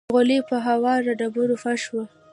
غولی پر هوارو ډبرو فرش و.